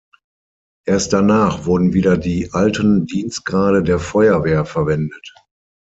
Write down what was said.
Erst danach wurden wieder die alten Dienstgrade der Feuerwehr verwendet.